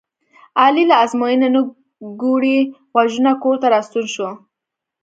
علي له ازموینې نه کوړی غوږونه کورته راستون شو.